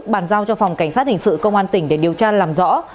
bàn giao cho phòng cảnh sát hình sự công an tỉnh để điều tra làm rõ